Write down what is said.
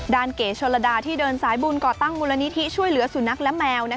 เก๋ชนระดาที่เดินสายบุญก่อตั้งมูลนิธิช่วยเหลือสุนัขและแมว